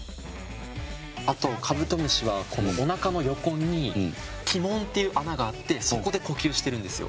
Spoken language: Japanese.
あとカブトムシはおなかの横に気門っていう穴があってそこで呼吸してるんですよ。